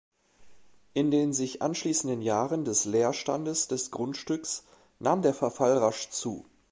In den sich anschließenden Jahren des Leerstandes des Grundstücks nahm der Verfall rasch zu.